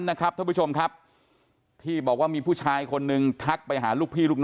นะครับทุกผู้ชมครับที่บอกว่ามีผู้ชายคนนึงทักไปหาลูก